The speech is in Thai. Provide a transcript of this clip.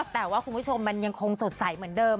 แต่ว่าคุณผู้ชมมันยังคงสดใสเหมือนเดิม